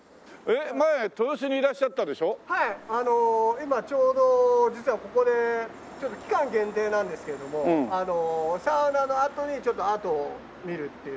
今ちょうど実はここでちょっと期間限定なんですけれどもサウナのあとにちょっとアートを見るっていう。